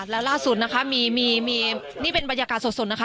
แล้วล่าสุดนะคะมีนี่เป็นบรรยากาศสดนะคะ